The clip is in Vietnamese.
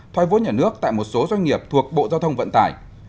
thoai vốn nhà nước tại một số doanh nghiệp thuộc bộ giao thông vận tài